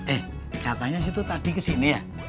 eh katanya situ tadi kesini ya